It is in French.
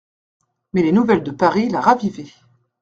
Mais les nouvelles de Paris la ravivaient.